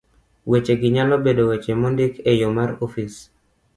Wechegi nyalo bedo weche mondik e yo ma mar ofis.